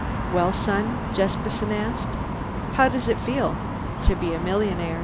"Well, son?" Jesperson asked. "How does it feel to be a millionaire?"